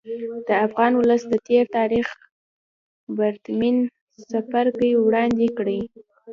د افغان ولس د تېر تاریخ پرتمین څپرکی وړاندې کړي.